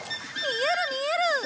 見える見える！